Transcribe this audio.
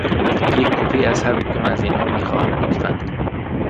یک کپی از هر کدام از اینها می خواهم، لطفاً.